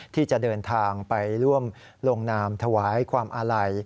ที่จะเดินทางไปร่วมลงนามถวายความอาลัย